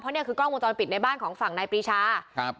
เนี่ยคือกล้องวงจรปิดในบ้านของฝั่งนายปรีชาครับ